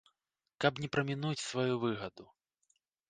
Каб не прамінуць сваю выгаду.